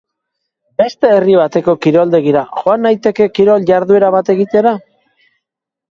Beste herri bateko kiroldegira joan naiteke kirol-jarduera bat egitera?